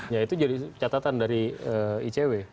ya itu jadi catatan dari icw